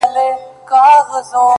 د خدای سره خبرې کړه هنوز په سجده کي!